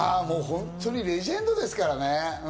本当にレジェンドですからね。